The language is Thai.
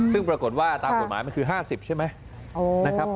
ซึ่งปรากฏว่าตามกฎหมายมันคือ๕๐ใช่ไหมนะครับ